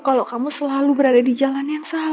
kalau kamu selalu berada di jalan yang salah sayang